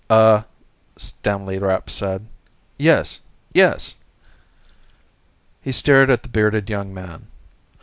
"Uh," Stanley Rapp said. "Yes. Yes." He stared at the bearded young man.